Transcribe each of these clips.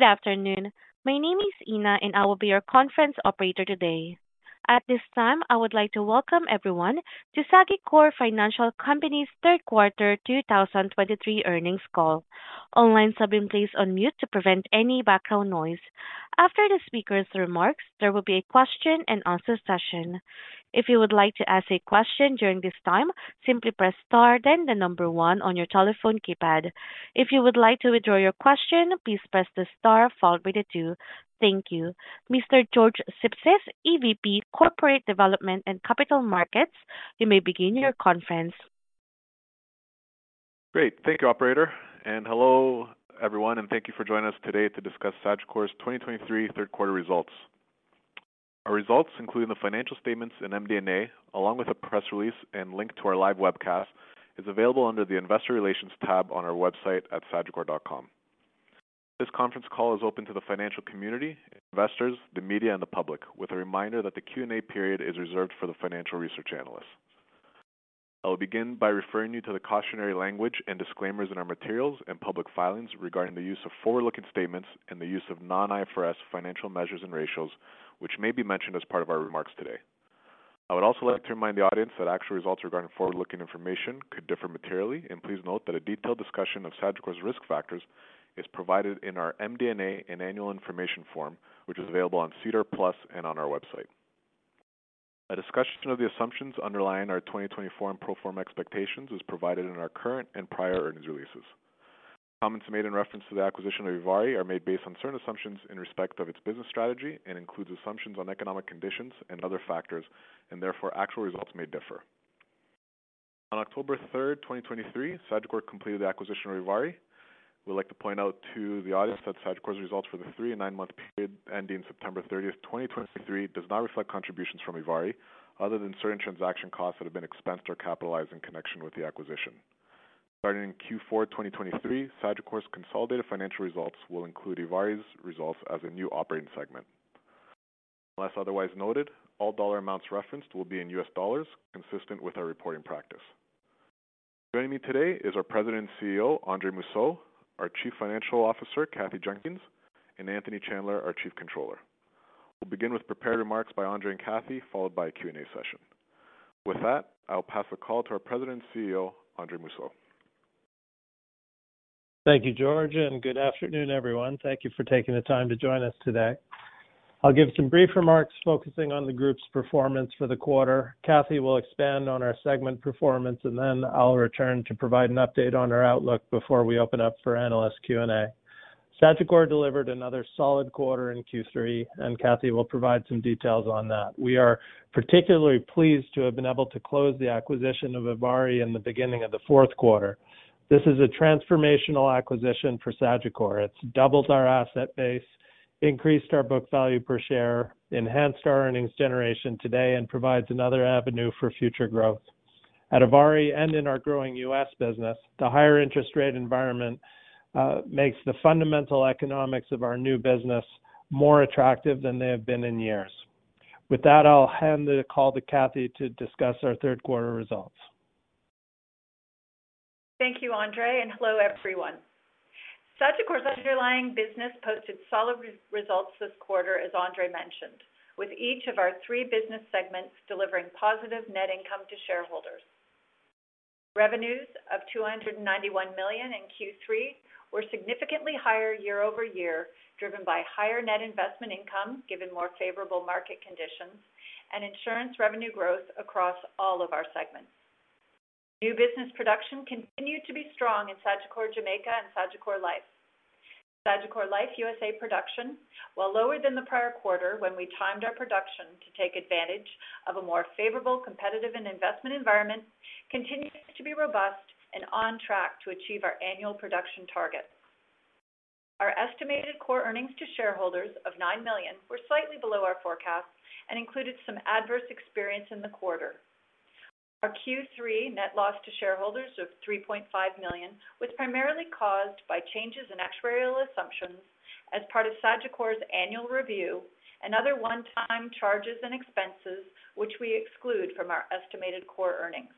Good afternoon. My name is Ina, and I will be your conference operator today. At this time, I would like to welcome everyone to Sagicor Financial Company's Third Quarter 2023 Earnings Call. All lines have been placed on mute to prevent any background noise. After the speaker's remarks, there will be a question and answer session. If you would like to ask a question during this time, simply press star, then the number one on your telephone keypad. If you would like to withdraw your question, please press the star followed by the two. Thank you. Mr. George Sipsis, EVP, Corporate Development and Capital Markets, you may begin your conference. Great. Thank you, operator, and hello everyone, and thank you for joining us today to discuss Sagicor's 2023 Third Quarter Results. Our results, including the financial statements in MD&A, along with a press release and link to our live webcast, is available under the Investor Relations tab on our website at sagicor.com. This conference call is open to the financial community, investors, the media, and the public, with a reminder that the Q&A period is reserved for the financial research analysts. I will begin by referring you to the cautionary language and disclaimers in our materials and public filings regarding the use of forward-looking statements and the use of non-IFRS financial measures and ratios, which may be mentioned as part of our remarks today. I would also like to remind the audience that actual results regarding forward-looking information could differ materially, and please note that a detailed discussion of Sagicor's risk factors is provided in our MD&A and annual information form, which is available on SEDAR+ and on our website. A discussion of the assumptions underlying our 2024 and pro forma expectations is provided in our current and prior earnings releases. Comments made in reference to the acquisition of ivari are made based on certain assumptions in respect of its business strategy and includes assumptions on economic conditions and other factors, and therefore actual results may differ. On October 3rd, 2023, Sagicor completed the acquisition of ivari. We'd like to point out to the audience that Sagicor's results for the 3- and 9-month period ending September 30th, 2023, does not reflect contributions from ivari, other than certain transaction costs that have been expensed or capitalized in connection with the acquisition. Starting in Q4 2023, Sagicor's consolidated financial results will include ivari's results as a new operating segment. Unless otherwise noted, all dollar amounts referenced will be in U.S. dollars, consistent with our reporting practice. Joining me today is our President and CEO, Andre Mousseau, our Chief Financial Officer, Kathy Jenkins, and Anthony Chandler, our Chief Controller. We'll begin with prepared remarks by Andre and Kathy, followed by a Q&A session. With that, I'll pass the call to our President and CEO, Andre Mousseau. Thank you, George, and good afternoon, everyone. Thank you for taking the time to join us today. I'll give some brief remarks focusing on the group's performance for the quarter. Kathy will expand on our segment performance, and then I'll return to provide an update on our outlook before we open up for analyst Q&A. Sagicor delivered another solid quarter in Q3, and Kathy will provide some details on that. We are particularly pleased to have been able to close the acquisition of ivari in the beginning of the fourth quarter. This is a transformational acquisition for Sagicor. It's doubled our asset base, increased our book value per share, enhanced our earnings generation today, and provides another avenue for future growth. At ivari and in our growing U.S. business, the higher interest rate environment makes the fundamental economics of our new business more attractive than they have been in years. With that, I'll hand the call to Kathy to discuss our Third Quarter Results. Thank you, Andre, and hello, everyone. Sagicor's underlying business posted solid results this quarter, as Andre mentioned, with each of our three business segments delivering positive net income to shareholders. Revenues of $291 million in Q3 were significantly higher year-over-year, driven by higher net investment income, given more favorable market conditions and insurance revenue growth across all of our segments. New business production continued to be strong in Sagicor Jamaica and Sagicor Life. Sagicor Life USA production, while lower than the prior quarter, when we timed our production to take advantage of a more favorable, competitive, and investment environment, continues to be robust and on track to achieve our annual production targets. Our estimated core earnings to shareholders of $9 million were slightly below our forecast and included some adverse experience in the quarter. Our Q3 net loss to shareholders of $3.5 million was primarily caused by changes in actuarial assumptions as part of Sagicor's annual review and other one-time charges and expenses, which we exclude from our estimated core earnings.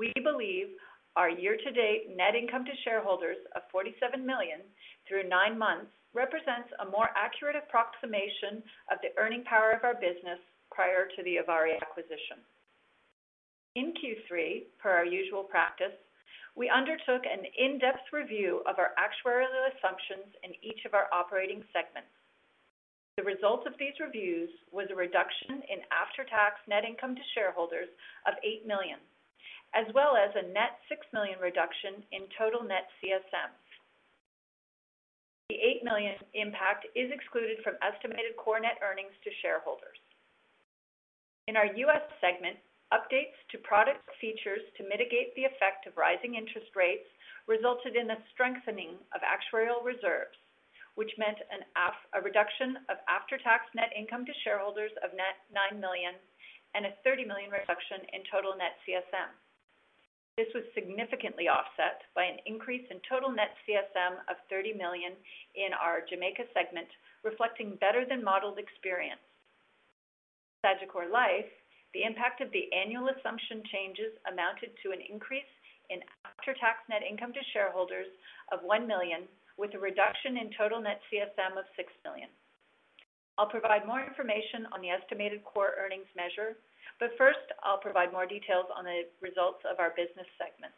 We believe our year-to-date net income to shareholders of $47 million through nine months represents a more accurate approximation of the earning power of our business prior to the ivari acquisition. In Q3, per our usual practice, we undertook an in-depth review of our actuarial assumptions in each of our operating segments. The results of these reviews was a reduction in after-tax net income to shareholders of $8 million, as well as a net $6 million reduction in total net CSM. The $8 million impact is excluded from estimated core net earnings to shareholders. In our US segment, updates to product features to mitigate the effect of rising interest rates resulted in a strengthening of actuarial reserves, which meant a reduction of after-tax net income to shareholders of net $9 million and a $30 million reduction in total net CSM. This was significantly offset by an increase in total net CSM of $30 million in our Jamaica segment, reflecting better than modeled experience. Sagicor Life, the impact of the annual assumption changes amounted to an increase in after-tax net income to shareholders of $1 million, with a reduction in total net CSM of $6 million. I'll provide more information on the estimated core earnings measure, but first, I'll provide more details on the results of our business segments.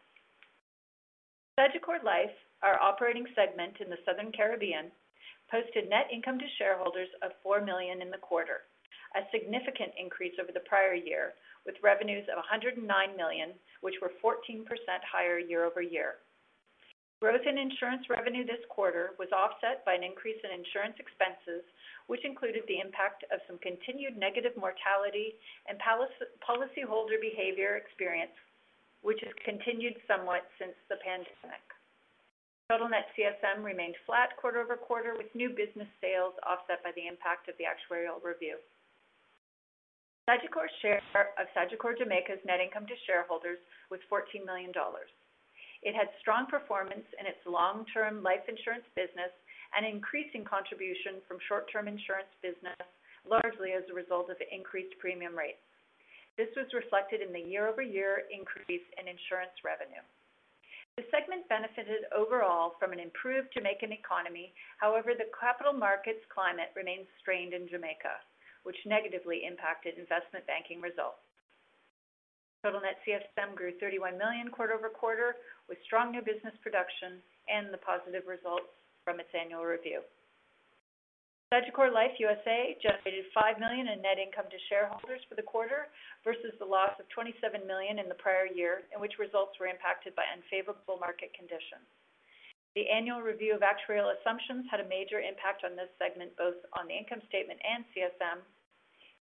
Sagicor Life, our operating segment in the Southern Caribbean, posted net income to shareholders of $4 million in the quarter, a significant increase over the prior year, with revenues of $109 million, which were 14% higher year-over-year. Growth in insurance revenue this quarter was offset by an increase in insurance expenses, which included the impact of some continued negative mortality and policyholder behavior experience, which has continued somewhat since the pandemic. Total net CSM remained flat quarter-over-quarter, with new business sales offset by the impact of the actuarial review. Sagicor's share of Sagicor Jamaica's net income to shareholders was $14 million. It had strong performance in its long-term life insurance business and increasing contribution from short-term insurance business, largely as a result of increased premium rates. This was reflected in the year-over-year increase in insurance revenue. The segment benefited overall from an improved Jamaican economy. However, the capital markets climate remains strained in Jamaica, which negatively impacted investment banking results. Total net CSM grew $31 million quarter over quarter, with strong new business production and the positive results from its annual review. Sagicor Life USA generated $5 million in net income to shareholders for the quarter versus the loss of $27 million in the prior year, in which results were impacted by unfavorable market conditions. The annual review of actuarial assumptions had a major impact on this segment, both on the income statement and CSM.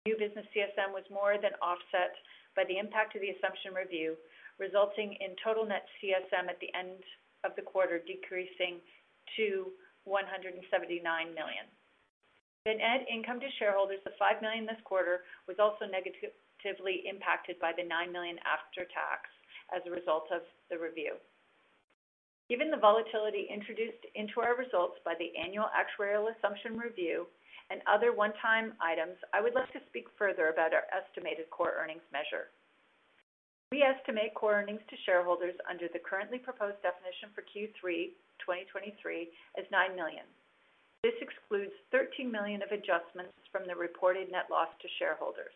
New business CSM was more than offset by the impact of the assumption review, resulting in total net CSM at the end of the quarter, decreasing to $179 million. The net income to shareholders of $5 million this quarter was also negatively impacted by the $9 million after tax as a result of the review. Given the volatility introduced into our results by the annual actuarial assumption review and other one-time items, I would like to speak further about our estimated core earnings measure. We estimate core earnings to shareholders under the currently proposed definition for Q3 2023 as $9 million. This excludes $13 million of adjustments from the reported net loss to shareholders.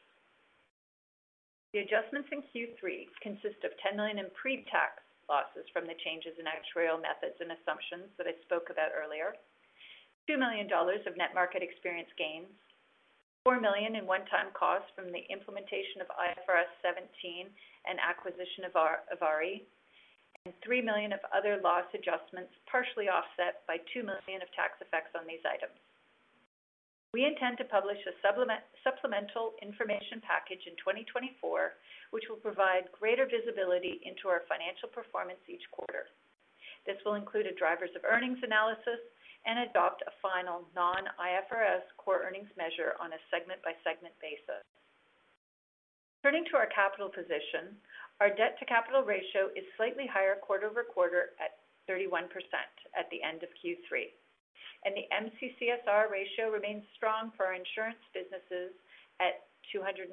The adjustments in Q3 consist of $10 million in pre-tax losses from the changes in actuarial methods and assumptions that I spoke about earlier, $2 million of net market experience gains, $4 million in one-time costs from the implementation of IFRS 17 and acquisition of ivari, and $3 million of other loss adjustments, partially offset by $2 million of tax effects on these items. We intend to publish a supplemental information package in 2024, which will provide greater visibility into our financial performance each quarter. This will include a drivers of earnings analysis and adopt a final non-IFRS core earnings measure on a segment-by-segment basis. Turning to our capital position, our debt-to-capital ratio is slightly higher quarter-over-quarter at 31% at the end of Q3, and the MCCSR ratio remains strong for our insurance businesses at 259%.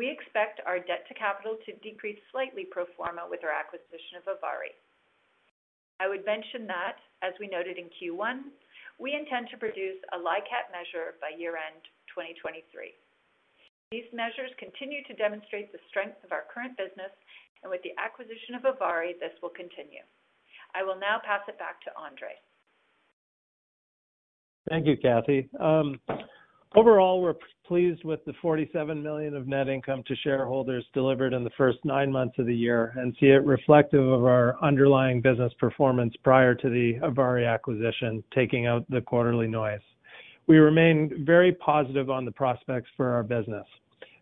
We expect our debt to capital to decrease slightly pro forma with our acquisition of ivari. I would mention that, as we noted in Q1, we intend to produce a LICAT measure by year-end 2023. These measures continue to demonstrate the strength of our current business, and with the acquisition of ivari, this will continue. I will now pass it back to Andre. Thank you, Kathy. Overall, we're pleased with the $47 million of net income to shareholders delivered in the first nine months of the year and see it reflective of our underlying business performance prior to the ivari acquisition, taking out the quarterly noise. We remain very positive on the prospects for our business.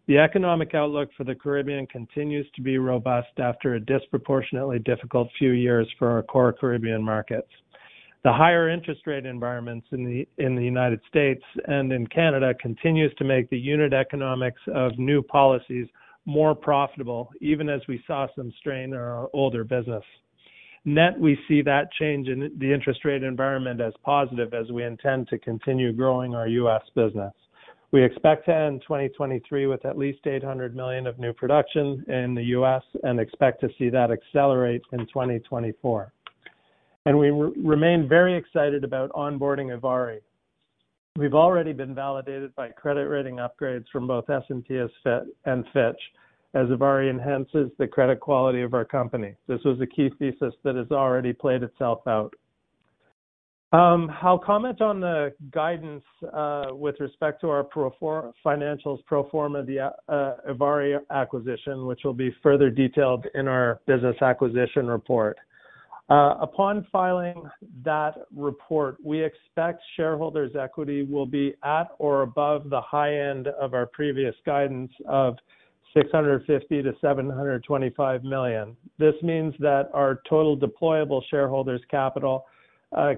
The economic outlook for the Caribbean continues to be robust after a disproportionately difficult few years for our core Caribbean markets. The higher interest rate environments in the United States and in Canada continues to make the unit economics of new policies more profitable, even as we saw some strain in our older business. Net, we see that change in the interest rate environment as positive, as we intend to continue growing our U.S. business. We expect to end 2023 with at least $800 million of new production in the U.S. and expect to see that accelerate in 2024. We remain very excited about onboarding ivari. We've already been validated by credit rating upgrades from both S&P and Fitch, as ivari enhances the credit quality of our company. This was a key thesis that has already played itself out. I'll comment on the guidance with respect to our pro forma financials pro forma, the ivari acquisition, which will be further detailed in our business acquisition report. Upon filing that report, we expect shareholders' equity will be at or above the high end of our previous guidance of $650 million-$725 million. This means that our total deployable shareholders capital,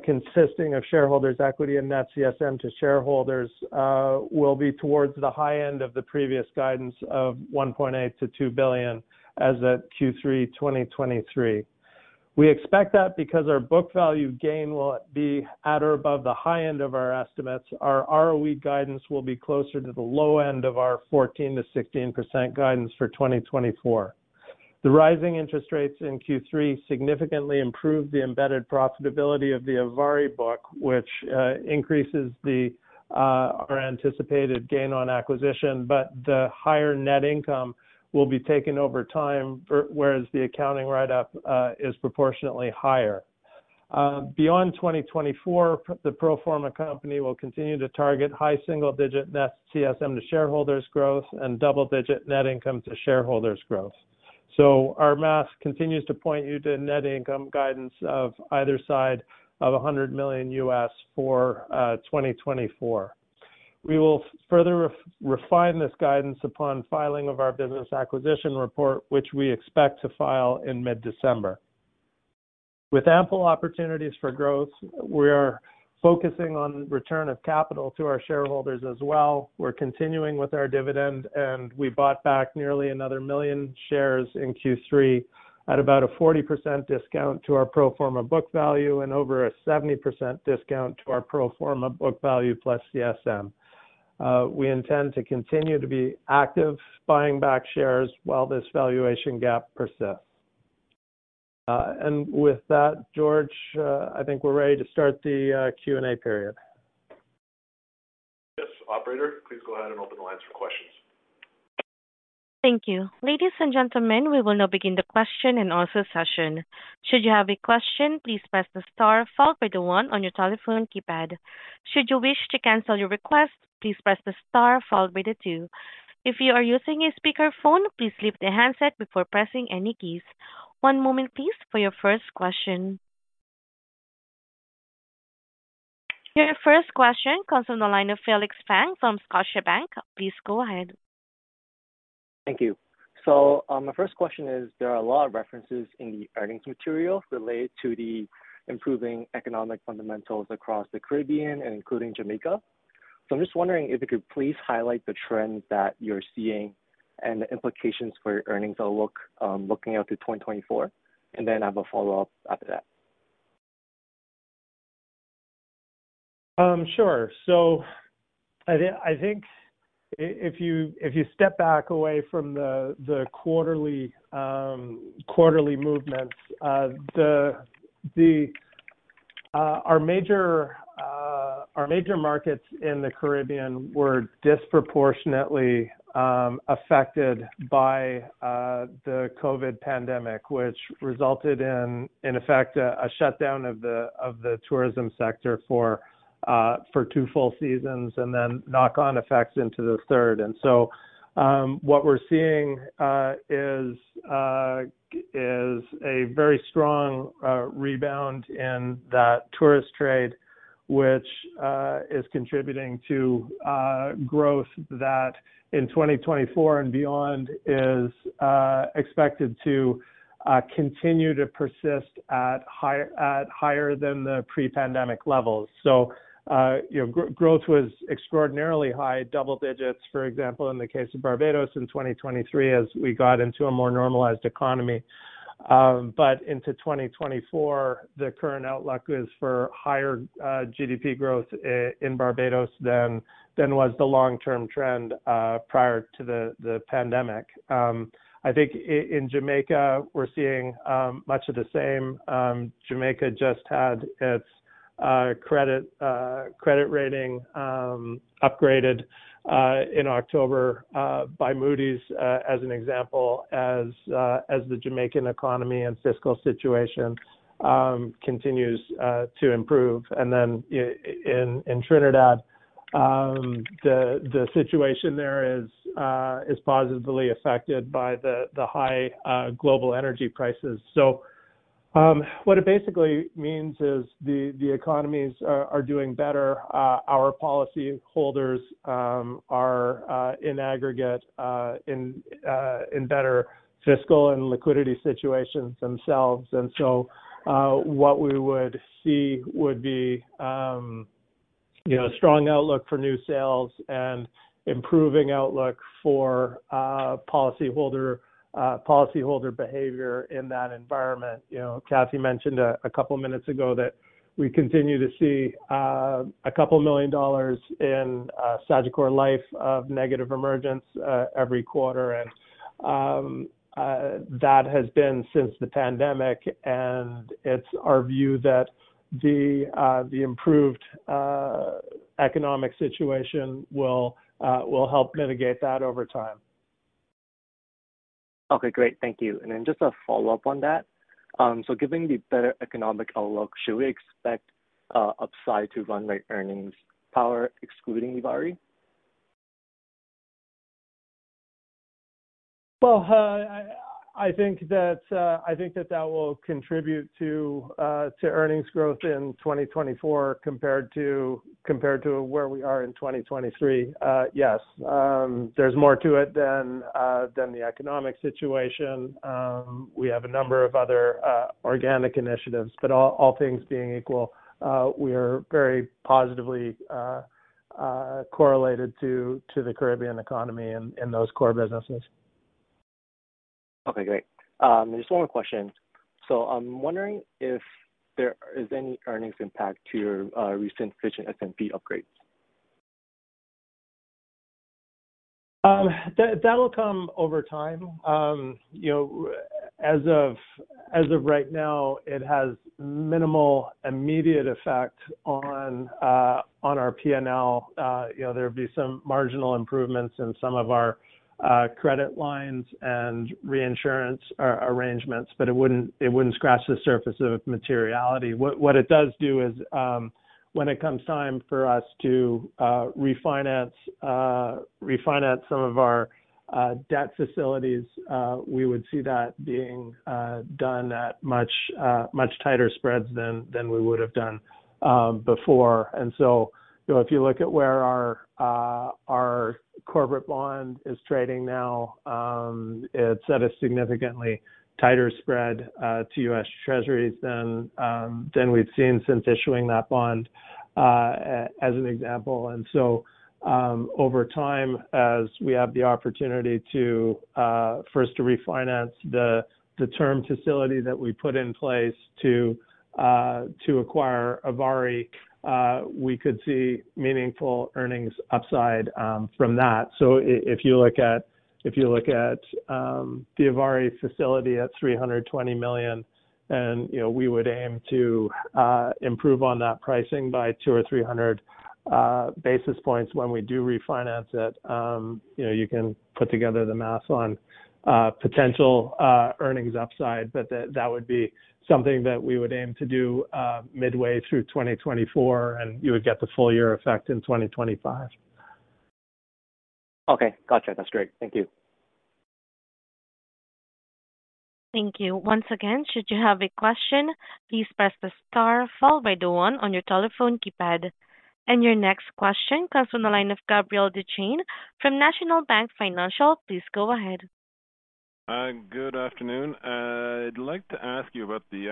consisting of shareholders equity and net CSM to shareholders, will be towards the high end of the previous guidance of $1.8 billion-$2 billion as at Q3 2023. We expect that because our book value gain will be at or above the high end of our estimates, our ROE guidance will be closer to the low end of our 14%-16% guidance for 2024. The rising interest rates in Q3 significantly improved the embedded profitability of the ivari book, which increases our anticipated gain on acquisition, but the higher net income will be taken over time, whereas the accounting write-up is proportionately higher. Beyond 2024, the pro forma company will continue to target high single-digit net CSM to shareholders growth and double-digit net income to shareholders growth. Our math continues to point you to net income guidance of either side of $100 million for 2024. We will further refine this guidance upon filing of our business acquisition report, which we expect to file in mid-December. With ample opportunities for growth, we are focusing on return of capital to our shareholders as well. We're continuing with our dividend, and we bought back nearly another 1 million shares in Q3 at about a 40% discount to our pro forma book value and over a 70% discount to our pro forma book value plus CSM. We intend to continue to be active, buying back shares while this valuation gap persists. With that, George, I think we're ready to start the Q&A period. Yes, operator, please go ahead and open the lines for questions. Thank you. Ladies and gentlemen, we will now begin the question and answer session. Should you have a question, please press the star followed by the one on your telephone keypad. Should you wish to cancel your request, please press the star followed by the two. If you are using a speakerphone, please lift the handset before pressing any keys. One moment, please, for your first question. Your first question comes from the line of Felix Fang from Scotiabank. Please go ahead. Thank you. So, my first question is, there are a lot of references in the earnings material related to the improving economic fundamentals across the Caribbean and including Jamaica. So I'm just wondering if you could please highlight the trends that you're seeing and the implications for your earnings outlook, looking out to 2024. And then I have a follow-up after that. Sure. So I think if you step back away from the quarterly movements, our major markets in the Caribbean were disproportionately affected by the COVID pandemic, which resulted in effect a shutdown of the tourism sector for two full seasons, and then knock-on effects into the third. So what we're seeing is a very strong rebound in that tourist trade, which is contributing to growth that in 2024 and beyond is expected to continue to persist at higher than the pre-pandemic levels. So you know, growth was extraordinarily high, double digits, for example, in the case of Barbados in 2023, as we got into a more normalized economy. But into 2024, the current outlook is for higher GDP growth in Barbados than was the long-term trend prior to the pandemic. I think in Jamaica, we're seeing much of the same. Jamaica just had its credit rating upgraded in October by Moody's as an example, as the Jamaican economy and fiscal situation continues to improve. And then in Trinidad, the situation there is positively affected by the high global energy prices. So, what it basically means is the economies are doing better. Our policyholders are in aggregate in better fiscal and liquidity situations themselves. What we would see would be, you know, strong outlook for new sales and improving outlook for policyholder behavior in that environment. You know, Kathy mentioned a couple of minutes ago that we continue to see dollars a couple million in Sagicor Life of negative emergence every quarter, and that has been since the pandemic, and it's our view that the improved economic situation will help mitigate that over time. Okay, great. Thank you. And then just a follow-up on that. So given the better economic outlook, should we expect upside to run rate earnings power excluding ivari? Well, I think that that will contribute to earnings growth in 2024 compared to where we are in 2023. Yes. There's more to it than the economic situation. We have a number of other organic initiatives, but all things being equal, we are very positively correlated to the Caribbean economy in those core businesses. Okay, great. Just one more question. So I'm wondering if there is any earnings impact to your recent Fitch and S&P upgrade? That, that'll come over time. You know, as of right now, it has minimal immediate effect on our PNL. You know, there'd be some marginal improvements in some of our credit lines and reinsurance arrangements, but it wouldn't scratch the surface of materiality. What it does do is, when it comes time for us to refinance some of our debt facilities, we would see that being done at much tighter spreads than we would have done before. And so, you know, if you look at where our corporate bond is trading now, it's at a significantly tighter spread to U.S. Treasuries than we've seen since issuing that bond, as an example. Over time, as we have the opportunity to first refinance the term facility that we put in place to acquire ivari, we could see meaningful earnings upside from that. So if you look at the ivari facility at $320 million, and, you know, we would aim to improve on that pricing by 200 or 300 basis points when we do refinance it. You know, you can put together the math on potential earnings upside, but that would be something that we would aim to do midway through 2024, and you would get the full year effect in 2025. Okay, gotcha. That's great. Thank you. Thank you. Once again, should you have a question, please press the star followed by the one on your telephone keypad. Your next question comes from the line of Gabriel Dechaine from National Bank Financial. Please go ahead. Good afternoon. I'd like to ask you about the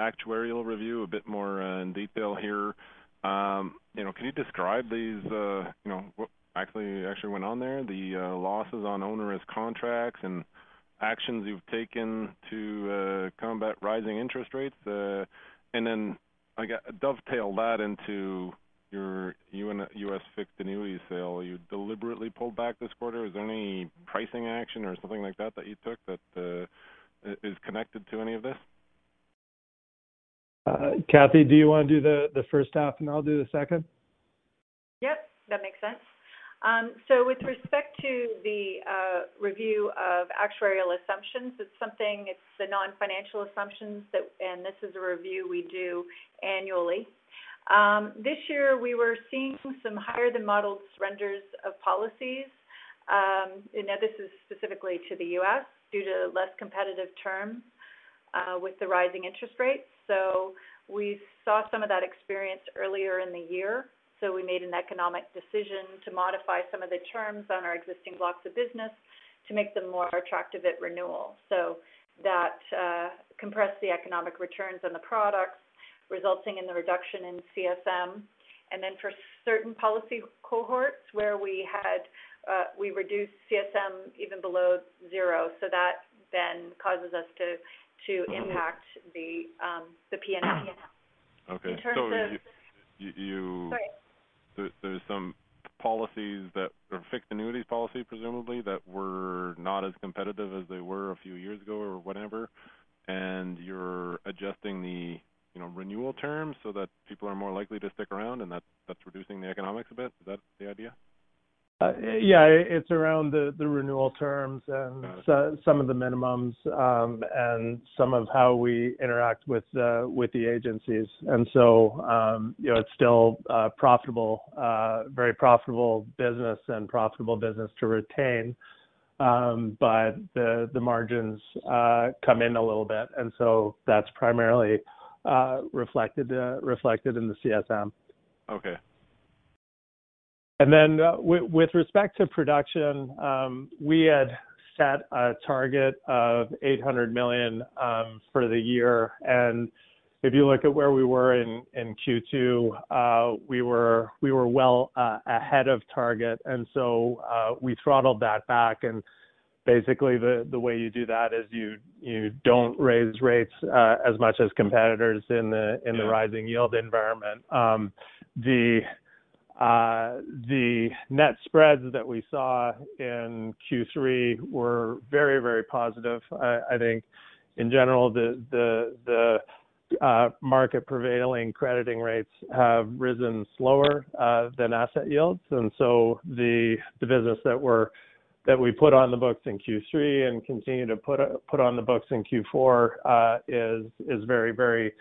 actuarial review a bit more in detail here. You know, can you describe these, you know, what actually went on there, the losses on onerous contracts and actions you've taken to combat rising interest rates? And then, dovetail that into your U.S. fixed annuity sale. You deliberately pulled back this quarter. Is there any pricing action or something like that that you took that is connected to any of this? Kathy, do you want to do the first half, and I'll do the second? Yep, that makes sense. So with respect to the review of actuarial assumptions, it's the non-financial assumptions that, and this is a review we do annually. This year, we were seeing some higher than modeled surrenders of policies, and now this is specifically to the U.S., due to less competitive terms with the rising interest rates. So we saw some of that experience earlier in the year, so we made an economic decision to modify some of the terms on our existing blocks of business to make them more attractive at renewal. So that compressed the economic returns on the products, resulting in the reduction in CSM. And then for certain policy cohorts, where we had we reduced CSM even below zero, so that then causes us to impact the PNL. Okay. In terms of So you Sorry. There's some policies that are fixed annuities policy, presumably, that were not as competitive as they were a few years ago or whatever, and you're adjusting the, you know, renewal terms so that people are more likely to stick around, and that's reducing the economics a bit. Is that the idea? Yeah, it's around the renewal terms and Got it so some of the minimums, and some of how we interact with, with the agencies. And so, you know, it's still, profitable, very profitable business and profitable business to retain, but the, the margins, come in a little bit, and so that's primarily, reflected, reflected in the CSM. Okay. And then with respect to production, we had set a target of $800 million for the year, and if you look at where we were in Q2, we were well ahead of target, and so we throttled that back. And basically, the way you do that is you don't raise rates as much as competitors in the Yeah in the rising yield environment. The net spreads that we saw in Q3 were very, very positive. I think in general, the market prevailing crediting rates have risen slower than asset yields. And so the business that we put on the books in Q3 and continue to put on the books in Q4 is very, very,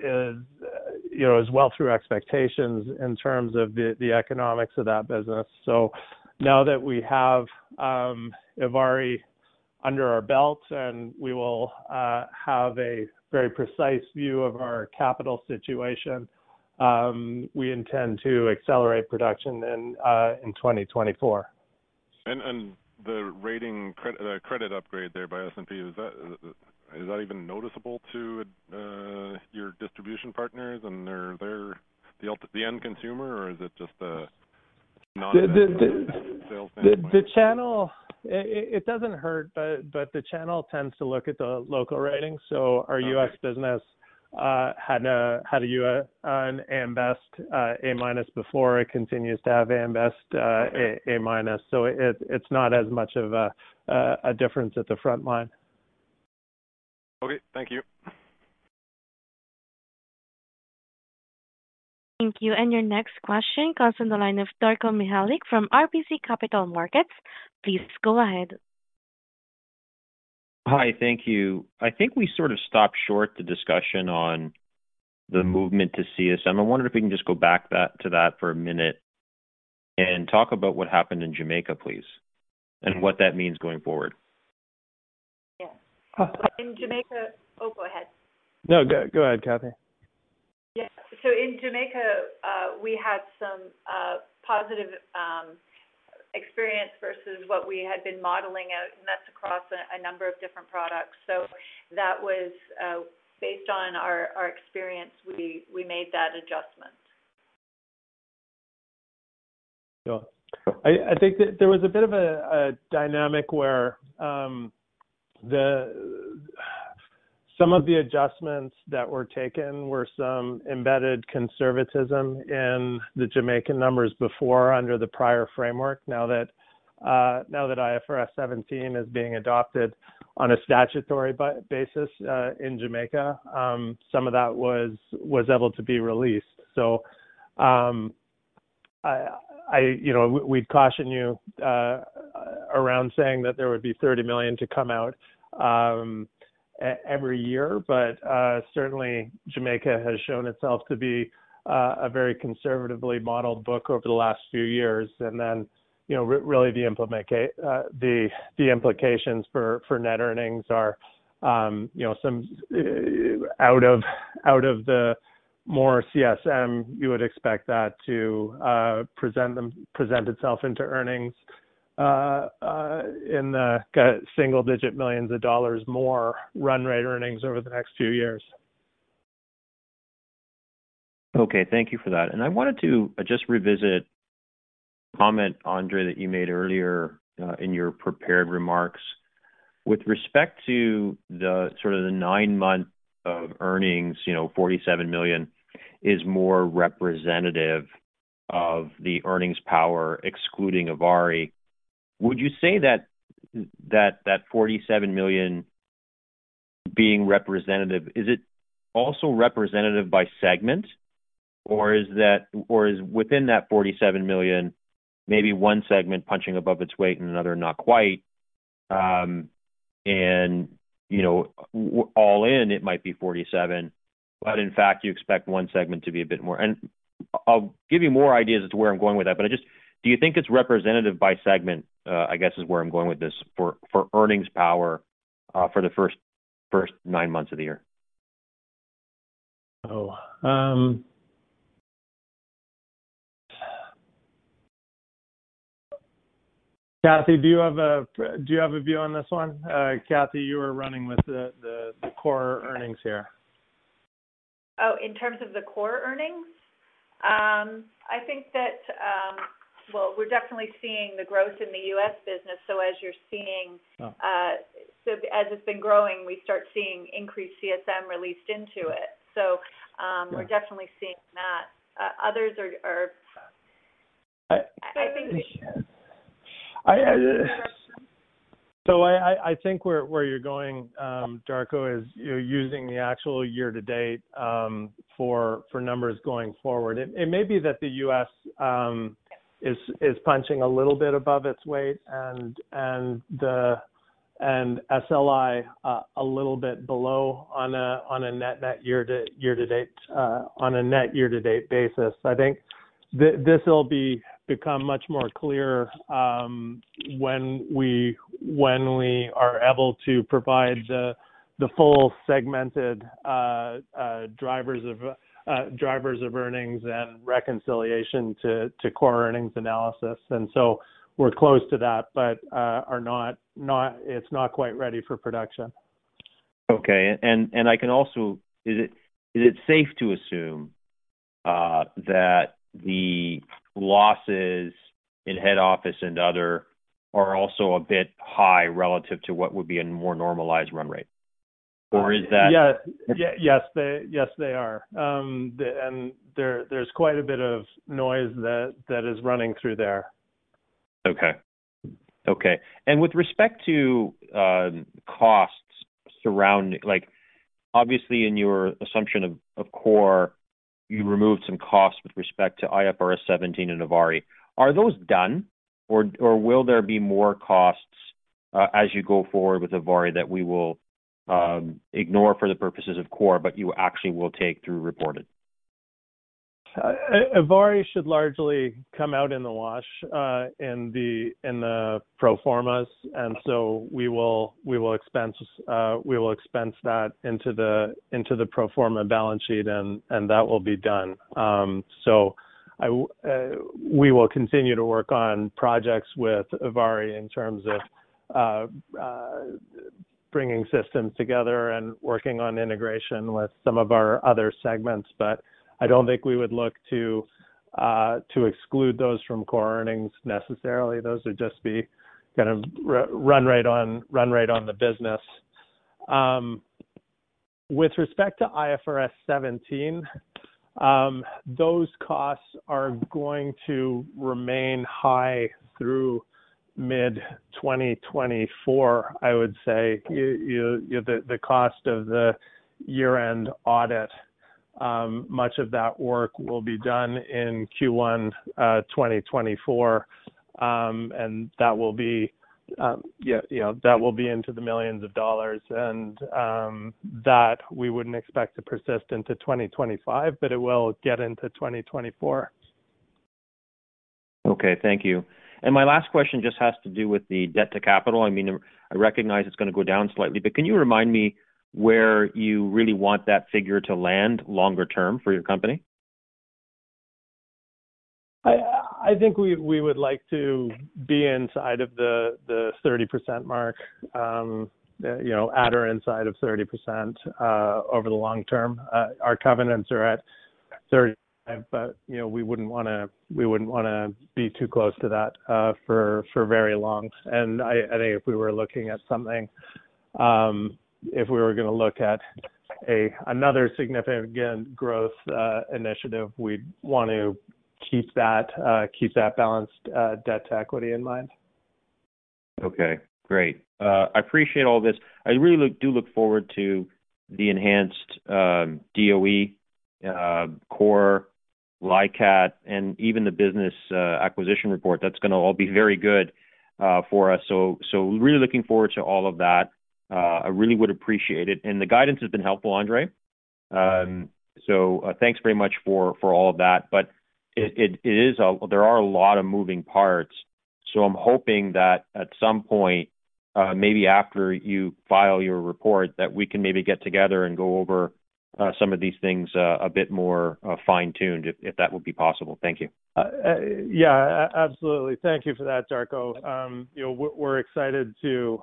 you know, well through expectations in terms of the economics of that business. So now that we have ivari under our belt, and we will have a very precise view of our capital situation, we intend to accelerate production in 2024. The credit upgrade there by S&P, is that even noticeable to your distribution partners and their the end consumer, or is it just the The channel, it doesn't hurt, but the channel tends to look at the local ratings. So our Okay U.S. business had a an A on AM Best, A- before, it continues to have AM Best. Okay A-. So it's not as much of a difference at the front line. Okay, thank you. Thank you. And your next question comes from the line of Darko Mihelic from RBC Capital Markets. Please go ahead. Hi, thank you. I think we sort of stopped short the discussion on the movement to CSM. I wonder if we can just go back to that for a minute and talk about what happened in Jamaica, please, and what that means going forward. Yeah. Uh In Jamaica. Oh, go ahead. No, go, go ahead, Kathy. Yeah. So in Jamaica, we had some positive experience versus what we had been modeling out, and that's across a number of different products. So that was based on our experience, we made that adjustment. Sure. I think that there was a bit of a dynamic where some of the adjustments that were taken were some embedded conservatism in the Jamaican numbers before, under the prior framework. Now that IFRS 17 is being adopted on a statutory basis in Jamaica, some of that was able to be released. So, I you know, we'd caution you around saying that there would be $30 million to come out every year, but certainly Jamaica has shown itself to be a very conservatively modeled book over the last few years. Then, you know, really the implications for net earnings are, you know, some out of the more CSM, you would expect that to present itself into earnings in the $1-$9 million, more run rate earnings over the next few years. Okay, thank you for that. And I wanted to just revisit a comment, Andre, that you made earlier in your prepared remarks. With respect to the sort of the nine-month of earnings, you know, $47 million is more representative of the earnings power excluding ivari. Would you say that that $47 million being representative, is it also representative by segment, or is that or is within that $47 million, maybe one segment punching above its weight and another not quite? And, you know, with all in, it might be $47 million, but in fact, you expect one segment to be a bit more. And I'll give you more ideas as to where I'm going with that, but I just do you think it's representative by segment? I guess is where I'm going with this, for earnings power, for the first nine months of the year. Oh, Kathy, do you have a view on this one? Kathy, you were running with the core earnings here. Oh, in terms of the core earnings? I think that, well, we're definitely seeing the growth in the US business, so as you're seeing Oh so as it's been growing, we start seeing increased CSM released into it. So, Yeah we're definitely seeing that. Others are I think So I think where you're going, Darko, is you're using the actual year-to-date for numbers going forward. It may be that the U.S. is punching a little bit above its weight and the SLI a little bit below on a net year-to-date basis. I think this will become much more clear when we are able to provide the full segmented drivers of earnings and reconciliation to core earnings analysis. And so we're close to that, but it's not quite ready for production. Okay. And, and I can also. Is it, is it safe to assume that the losses in head office and other are also a bit high relative to what would be a more normalized run rate? Or is that Yeah. Yes, they are. And there's quite a bit of noise that is running through there. Okay. Okay. And with respect to costs surrounding, like, obviously, in your assumption of core, you removed some costs with respect to IFRS 17 and ivari. Are those done, or will there be more costs as you go forward with ivari that we will ignore for the purposes of core, but you actually will take through reported? ivari should largely come out in the wash in the pro formas, and so we will expense that into the pro forma balance sheet, and that will be done. So we will continue to work on projects with ivari in terms of bringing systems together and working on integration with some of our other segments, but I don't think we would look to exclude those from core earnings necessarily. Those would just be kind of run right on the business. With respect to IFRS 17, those costs are going to remain high through mid-2024, I would say. You know, the cost of the year-end audit, much of that work will be done in Q1, 2024, and that will be, you know, that will be into the millions of dollars. That we wouldn't expect to persist into 2025, but it will get into 2024. Okay, thank you. My last question just has to do with the debt-to-capital. I mean, I recognize it's gonna go down slightly, but can you remind me where you really want that figure to land longer term for your company? I think we would like to be inside of the 30% mark, you know, at or inside of 30%, over the long term. Our covenants are at 30, but, you know, we wouldn't wanna be too close to that, for very long. And I think if we were looking at something, if we were gonna look at another significant, again, growth, initiative, we'd want to keep that balanced, debt to equity in mind. Okay, great. I appreciate all this. I really do look forward to the enhanced DOE, core, LICAT, and even the business acquisition report. That's gonna all be very good for us. So really looking forward to all of that. I really would appreciate it, and the guidance has been helpful, Andre. So thanks very much for all of that, but it is a... There are a lot of moving parts, so I'm hoping that at some point, maybe after you file your report, that we can maybe get together and go over some of these things a bit more fine-tuned, if that would be possible. Thank you. Yeah, absolutely. Thank you for that, Darko. You know, we're excited to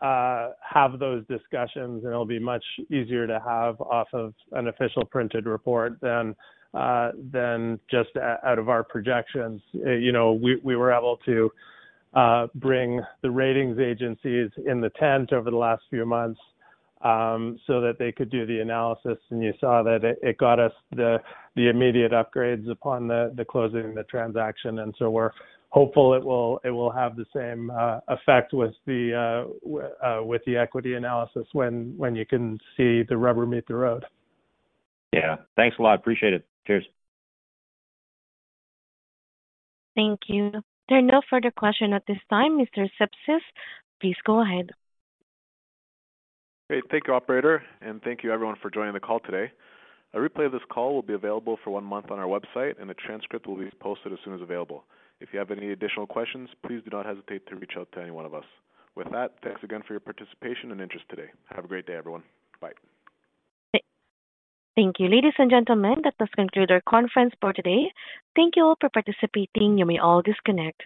have those discussions, and it'll be much easier to have off of an official printed report than just out of our projections. You know, we were able to bring the ratings agencies in the tent over the last few months, so that they could do the analysis, and you saw that it got us the immediate upgrades upon the closing of the transaction, and so we're hopeful it will have the same effect with the equity analysis when you can see the rubber meet the road. Yeah. Thanks a lot. Appreciate it. Cheers. Thank you. There are no further questions at this time. Mr. Sipsis, please go ahead. Hey, thank you, operator, and thank you everyone for joining the call today. A replay of this call will be available for one month on our website, and a transcript will be posted as soon as available. If you have any additional questions, please do not hesitate to reach out to any one of us. With that, thanks again for your participation and interest today. Have a great day, everyone. Bye. Thank you. Ladies and gentlemen, that does conclude our conference for today. Thank you all for participating. You may all disconnect.